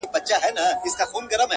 په دې چرت کي وو چي دا به څه بلا وي -